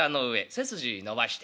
背筋伸ばして。